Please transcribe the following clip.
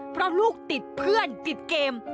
เพราะลูกติดเพื่อนติดเกม